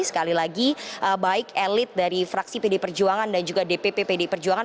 sekali lagi baik elit dari fraksi pd perjuangan dan juga dpp pdi perjuangan